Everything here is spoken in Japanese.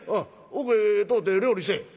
奥へ通って料理せえ」。